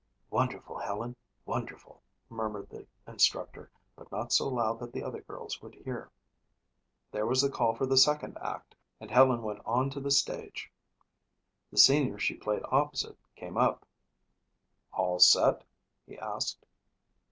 "Wonderful, Helen, wonderful," murmured the instructor, but not so loud that the other girls would hear. There was the call for the second act and Helen went onto the stage. The senior she played opposite came up. "All set?" he asked.